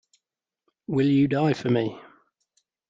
Will You Die For Me?